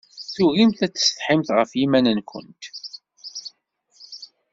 Tugimt ad tsetḥimt ɣef yiman-nkent.